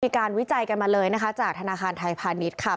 การวิจัยกันมาเลยนะคะจากธนาคารไทยพาณิชย์ค่ะ